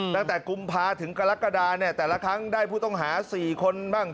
กุมภาถึงกรกฎาเนี่ยแต่ละครั้งได้ผู้ต้องหา๔คนบ้าง